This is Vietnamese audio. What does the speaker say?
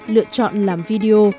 lựa chọn làm video